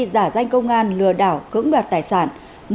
giả danh công an lừa đảo cưỡng đoạt tài sản